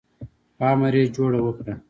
په امر یې جوړه وکړه.